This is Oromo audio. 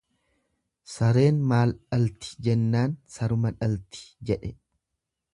Sareen maal dhalti jennaan saruma dhalti jedhe.